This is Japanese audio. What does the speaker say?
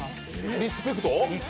リスペクト？